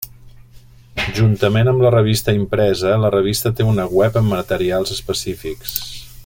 Juntament amb la revista impresa la revista té una web amb materials específics.